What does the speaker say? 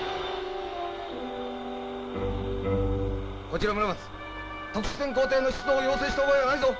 こちらムラマツ特殊潜航艇の出動を要請した覚えはないぞ。